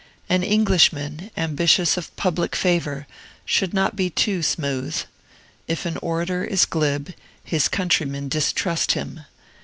An Englishman, ambitious of public favor, should not be too smooth. If an orator is glib, his countrymen distrust him.